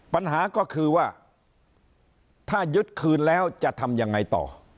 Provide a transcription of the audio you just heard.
ปัญหาก็คือว่าถ้ายึดคืนแล้วจะทำยังไงต่อ